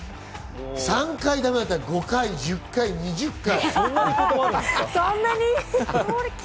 ３回がだめだったら５回、１０回、２０回。